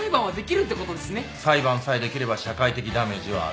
裁判さえできれば社会的ダメージはある。